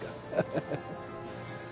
ハハハ。